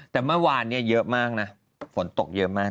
แต่เมื่อวานเนี่ยเยอะมากนะฝนตกเยอะมาก